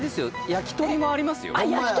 焼き鳥もありますよ。